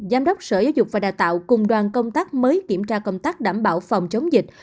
giám đốc sở giáo dục và đào tạo cùng đoàn công tác mới kiểm tra công tác đảm bảo phòng chống dịch